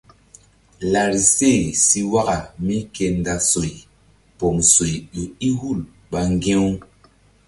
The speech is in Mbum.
Larise si waka mí ke nda soy pom soy ƴo i hul ɓa ŋgi̧-u.